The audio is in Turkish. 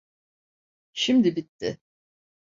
Şimdi bitti.